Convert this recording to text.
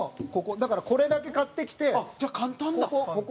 だから、これだけ買ってきてここ。